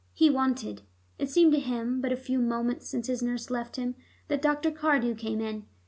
He wanted. It seemed to him but a few moments since his nurse left him that Dr. Cardew came in.